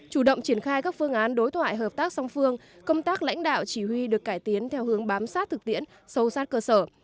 chủ động triển khai các phương án đối thoại hợp tác song phương công tác lãnh đạo chỉ huy được cải tiến theo hướng bám sát thực tiễn sâu sát cơ sở